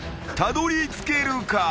たどりつけるか？］